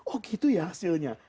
oh gitu ya hasilnya